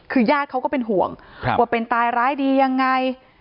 คือญาติเขาก็เป็นห่วงว่าเป็นตายร้ายดียังไง